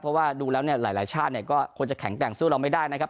เพราะว่าดูแล้วเนี่ยหลายชาติเนี่ยก็ควรจะแข็งแกร่งสู้เราไม่ได้นะครับ